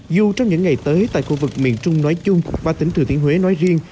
dù trong những ngày tới tại khu vực miền trung nói chung và tỉnh thừa thiên huế nói riêng